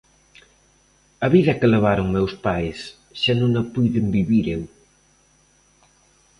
A vida que levaron meus pais xa non a puiden vivir eu.